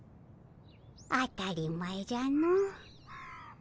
当たり前じゃの。